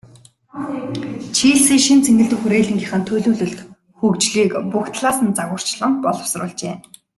Челси шинэ цэнгэлдэх хүрээлэнгийнхээ төлөвлөлт, хөгжлийг бүх талаас нь загварчлан боловсруулжээ.